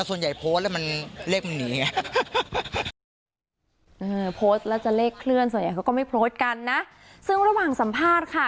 ส่วนใหญ่เขาก็ไม่โพสต์กันนะซึ่งระหว่างสัมภาษณ์ค่ะ